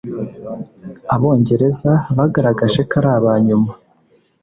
abongereza bagaragaje ko ari abanyuma